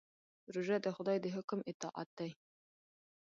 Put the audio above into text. روژه د خدای د حکم اطاعت دی.